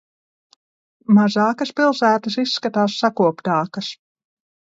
Mazākas pilsētas izskatās sakoptākas.